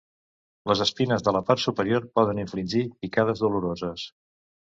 Les espines de la part superior poden infligir picades doloroses.